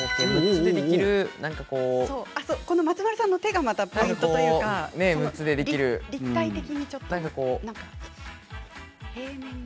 松丸さんの手がヒントというか立体的にちょっと。